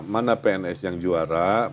mana pns yang juara mana pns yang tidak